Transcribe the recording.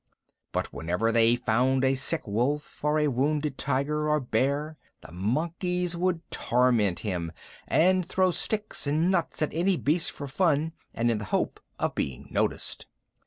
But whenever they found a sick wolf, or a wounded tiger, or bear, the monkeys would torment him, and would throw sticks and nuts at any beast for fun and in the hope of being noticed.